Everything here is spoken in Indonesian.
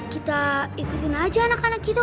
kita ikutin aja anak anak kita